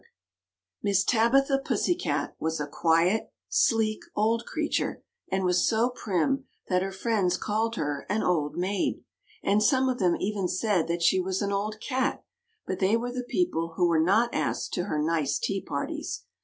] Miss Tabitha Pussycat was a quiet, sleek, old creature, and was so prim, that her friends called her an old maid; and some of them even said that she was an old cat, but they were the people who were not asked to her nice tea parties.